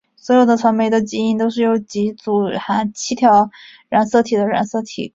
所有草莓的基因都由几组含七条染色体的染色体组构成。